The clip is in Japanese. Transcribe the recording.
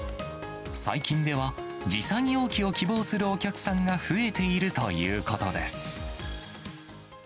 最近では、持参容器を希望するお客さんが増えているということです。